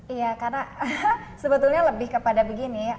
iya karena sebetulnya lebih kepada begini